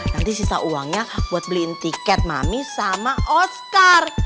nanti sisa uangnya buat beliin tiket mami sama oscar